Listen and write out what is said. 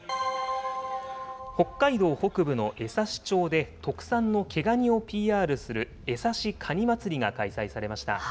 北海道北部の枝幸町で、特産の毛がにをＰＲする枝幸かにまつりが開催されました。